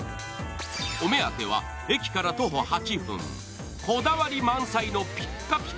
お目当ては、駅から徒歩８分、こだわり満載のピッカピカ